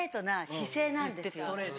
姿勢なんですね。